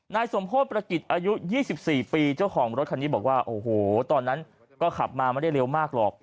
นายสมโพธิประกิจอายุ๒๔ปีเจ้าของรถคันนี้บอกว่าโอ้โหตอนนั้นก็ขับมาไม่ได้เร็วมากหรอก